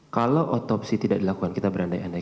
kalau otopsi tidak dilakukan kita berandai andai